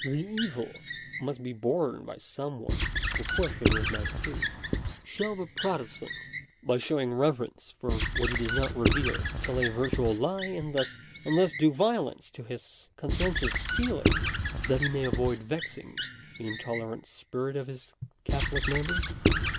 The evil must be borne by some one, and the question is by whom. Shall the Protestant, by showing reverence for what he does not revere, tell a virtual lie, and thus do violence to his conscientious feeling that he may avoid vexing the in tolerant spirit of his Catholic neighbours